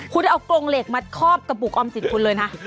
คุณเอากรงเหล็กมาคอบกระปุกออมสินคุณเลยนะ